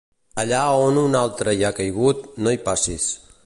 Allà a on un altre hi ha caigut, no hi passis.